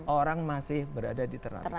orang masih berada di terapi